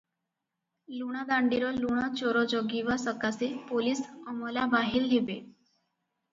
ଲୁଣାଦାଣ୍ଡିର ଲୁଣ ଚୋର ଜଗିବା ସକାଶେ ପୋଲିଶ ଅମଲା ବାହେଲ ହେବେ ।